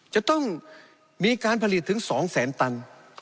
จะต้องมีการผลิตถึง๒แสนตัน